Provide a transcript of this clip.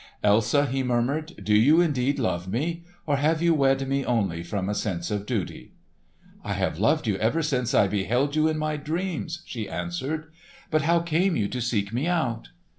"Elsa," he murmured, "do you indeed love me; or have you wed me only from a sense of duty?" "I have loved you ever since I beheld you in my dreams," she answered. "But how came you to seek me out?"